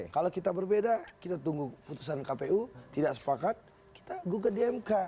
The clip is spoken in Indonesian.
kalau kita berbeda kita tunggu putusan kpu tidak sepakat kita gugat di mk